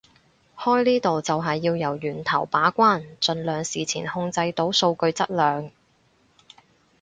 開呢度就係要由源頭把關盡量事前控制到數據質量